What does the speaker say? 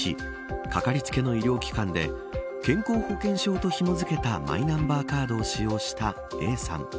かかりつけの医療機関で健康保険証とひも付けたマイナンバーカードを使用したＡさん